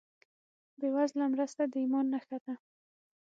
بېوزله مرسته د ایمان نښه ده.